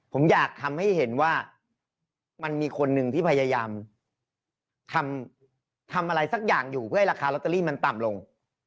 ผมอยากทำให้เห็นว่ามันมีคนหนึ่งที่พยายามทำอะไรสักอย่างอยู่เพื่อให้ราคาลอตเตอรี่มันต่ำลง